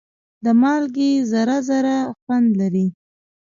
د مالګې ذره ذره خوند لري.